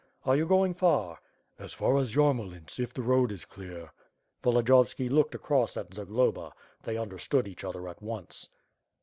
"Are you going far?" "As far as Yarmolints, if the road is clear. Volodiyovski looked across at Zagloba. They understood each ot \er at once.